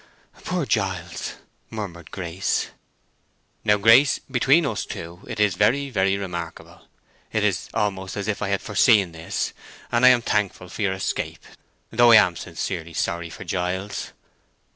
"Poor Giles!" murmured Grace. "Now, Grace, between us two, it is very, very remarkable. It is almost as if I had foreseen this; and I am thankful for your escape, though I am sincerely sorry for Giles.